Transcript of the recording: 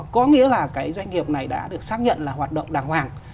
có nghĩa là cái doanh nghiệp này đã được xác nhận là hoạt động đàng hoàng